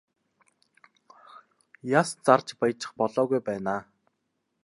Яс зарж баяжих болоогүй байна аа.